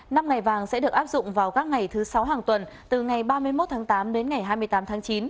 năm ngày vàng sẽ được áp dụng vào các ngày thứ sáu hàng tuần từ ngày ba mươi một tháng tám đến ngày hai mươi tám tháng chín